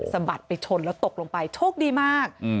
สะบัดไปชนแล้วตกลงไปโชคดีมาก